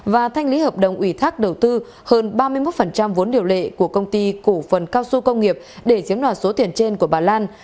và thanh lý hợp đồng ủy thác đầu tư hơn ba mươi một vốn điều lệ của công ty cổ phần cao su công nghiệp để chiếm đoạt số tiền trên của bà lan